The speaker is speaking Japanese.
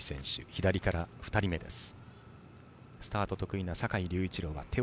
左から２人目です。